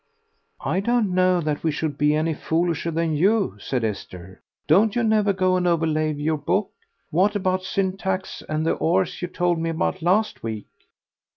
"I don't know that we should be any foolisher than you," said Esther; "don't you never go and overlay your book? What about Syntax and the 'orse you told me about last week?"